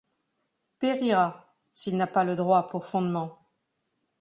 Périra, s'il n'a pas le droit pour fondement ;